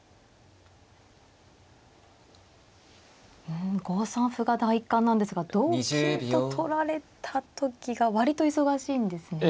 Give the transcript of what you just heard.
うん５三歩が第一感なんですが同金と取られた時が割と忙しいんですね。